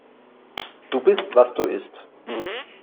Du bist, was du isst.